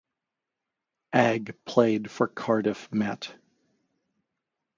Agg played for Cardiff Met.